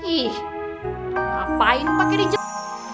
ih apain pake di jemput